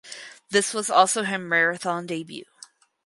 This was also her marathon debut.